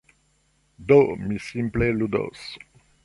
Do, mi simple ludos.